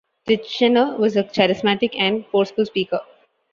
Titchener was a charismatic and forceful speaker.